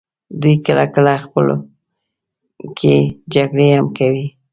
دوی کله کله خپلو کې جګړې هم کوي.